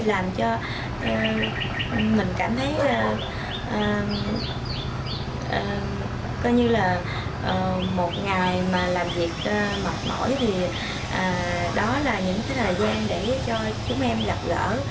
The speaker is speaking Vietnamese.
làm cho mình cảm thấy coi như là một ngày mà làm việc mệt mỏi thì đó là những cái thời gian để cho chúng em gặp gỡ